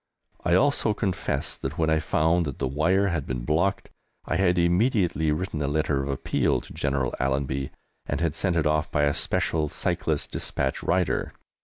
I also confessed that, when I found that the wire had been blocked, I had immediately written a letter of appeal to General Allenby, and had sent it off by a special cyclist despatch rider.